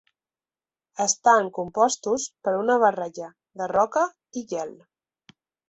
Estan compostos per una barreja de roca i gel.